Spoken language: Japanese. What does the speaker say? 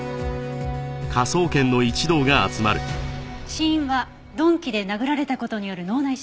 死因は鈍器で殴られた事による脳内出血。